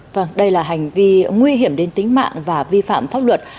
vâng đây là hành vi nguy hiểm đến tính mạng và vi phạm pháp luật